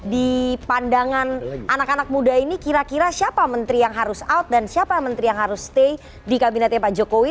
di pandangan anak anak muda ini kira kira siapa menteri yang harus out dan siapa menteri yang harus stay di kabinetnya pak jokowi